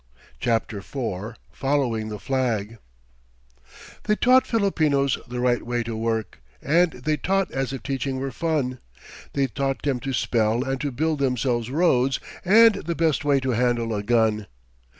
CHAPTER IV FOLLOWING THE FLAG They taught Filipinos the right way to work, And they taught as if teaching were fun; They taught them to spell and to build themselves roads, And the best way to handle a gun.